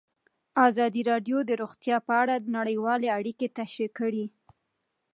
ازادي راډیو د روغتیا په اړه نړیوالې اړیکې تشریح کړي.